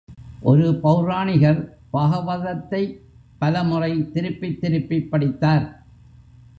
ஒரு பெளராணிகர் பாகவதத்தைப் பலமுறை திருப்பித் திருப்பிப் படித்தார்.